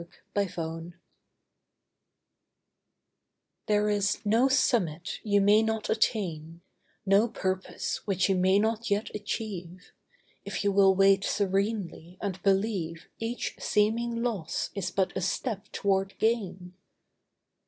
GOD'S KIN There is no summit you may not attain, No purpose which you may not yet achieve, If you will wait serenely and believe Each seeming loss is but a step toward gain.